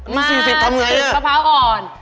มะพร้าวอ่อน